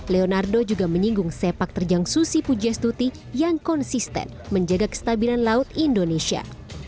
leonardo juga menyinggung sepak terjang susi pujastuti yang konsisten menjaga kestabilan laut indonesia